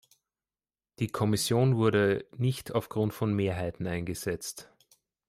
Die Kommission wurde nicht aufgrund von Mehrheiten eingesetzt.